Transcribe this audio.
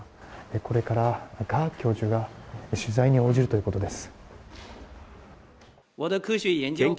これから、ガ教授が取材に応じるということです。